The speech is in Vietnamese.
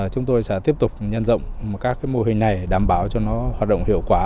chúng tôi sẽ tiếp tục nhân rộng các mô hình này đảm bảo cho nó hoạt động hiệu quả